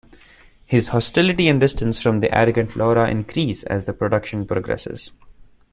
His hostility and distance from the arrogant Laura increase as the production progresses.